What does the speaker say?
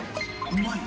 うまい！